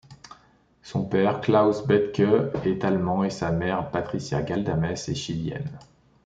Son père, Claus Bethke, est allemand et sa mère, Patricia Galdames, est chilienne.